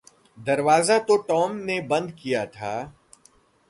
दरवाज़ा तो टॉम ने बंद किया था।